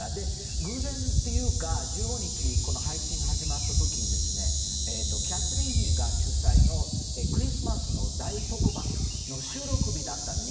偶然というか１５日、配信が始まった時にキャサリン妃が主催のクリスマスの大特番の収録日だったんです。